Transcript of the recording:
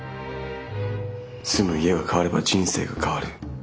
住む家が変われば人生が変わる。